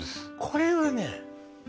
これはね